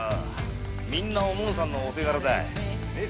みんなおもんさんのお手柄だ。ねえ？